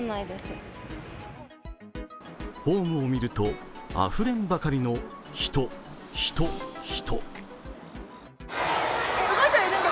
ホームを見ると、あふれんばかりの人、人、人。